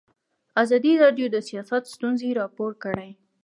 ازادي راډیو د سیاست ستونزې راپور کړي.